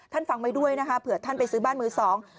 ฟังไว้ด้วยนะคะเผื่อท่านไปซื้อบ้านมือสอง